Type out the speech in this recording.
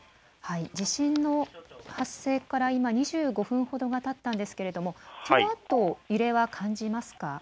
地震の発生から２５分ほどたったんですがそのあと揺れは感じますか。